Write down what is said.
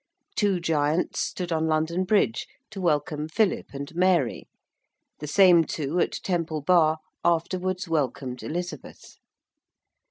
Two giants stood on London Bridge to welcome Philip and Mary: the same two, at Temple Bar, afterwards welcomed Elizabeth.